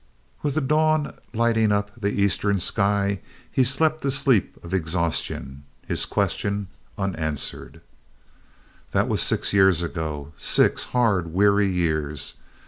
With the dawn lighting up the eastern sky he slept the sleep of exhaustion, his question unanswered. That was six years ago six hard, weary years.